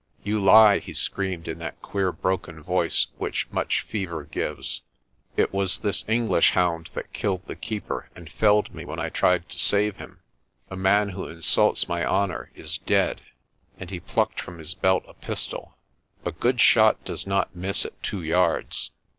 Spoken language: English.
"You lie!" he screamed in that queer broken voice which much fever gives. "It was this English hound that killed the Keeper and felled me when I tried to save him. The man who insults my honour is dead." And he plucked from his belt a pistol. A good shot does not miss at two yards.